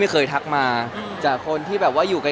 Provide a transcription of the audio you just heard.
แล้วถ่ายละครมันก็๘๙เดือนอะไรอย่างนี้